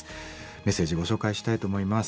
メッセージご紹介したいと思います。